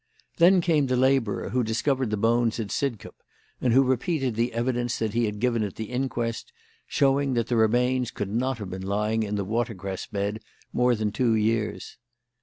Then came the labourer who discovered the bones at Sidcup, and who repeated the evidence that he had given at the inquest, showing that the remains could not have been lying in the watercress bed more than two years.